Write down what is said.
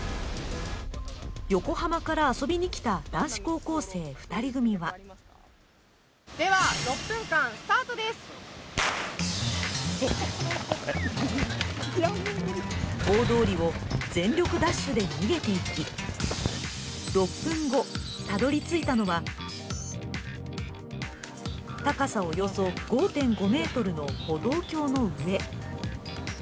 横浜から遊びにきた男子高校生２人組は大通りを全力ダッシュで逃げていき、６分後、たどり着いたのは高さおよそ５．５ｍの歩道橋の上。